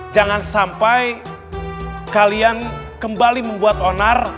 jangan sampai kalian kembali membuat onar